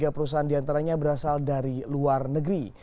lima ratus tujuh puluh tiga perusahaan diantaranya berasal dari luar negeri